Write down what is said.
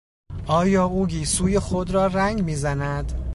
آیا او گیسوی خود را رنگ میزند؟